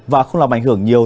và không làm ảnh hưởng nhiều